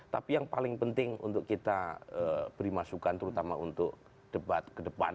tapi yang paling penting untuk kita beri masukan terutama untuk debat ke depan